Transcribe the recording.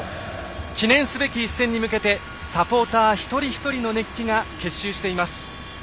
記念すべき一戦にむけてサポーター、一人一人の熱気が結集しています。